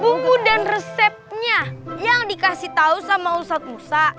bumbu dan resepnya yang dikasih tahu sama ustadz musa